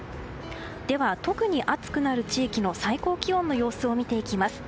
では、特に暑くなる地域の最高気温の様子を見ていきます。